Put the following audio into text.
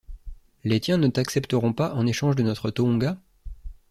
Les tiens ne t’accepteront pas en échange de notre Tohonga?